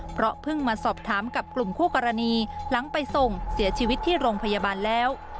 เพราะเพิ่งมาสอบถามกับกลุ่มคู่กรณีหลังไปส่งเสียชีวิตที่โรงพยาบาลแล้ว